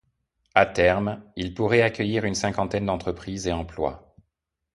À terme, il pourrait accueillir une cinquantaine d'entreprises et emplois.